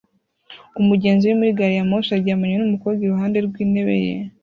Umugenzi uri muri gari ya moshi aryamanye n'umukobwa iruhande rw'intebe ye